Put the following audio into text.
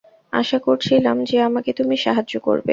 আশা করছিলাম যে আমাকে তুমি সাহায্য করবে।